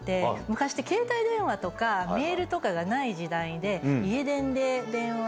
昔って携帯電話とかメールとかがない時代で。